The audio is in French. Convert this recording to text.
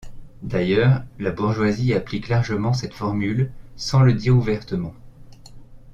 D'ailleurs, la bourgeoisie applique largement cette formule, sans le dire ouvertement.